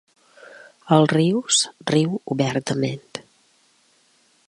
El Rius riu obertament.